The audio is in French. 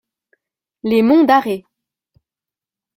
Les Monts d’Arrée.